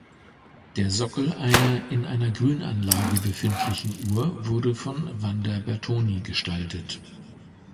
Der Sockel einer in einer Grünanlage befindlichen Uhr wurde von Wander Bertoni gestaltet.